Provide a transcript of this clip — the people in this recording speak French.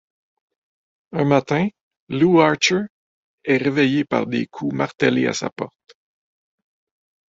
Un matin, Lew Archer est réveillé par des coups martelés à sa porte.